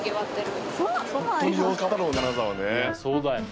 そうだよね。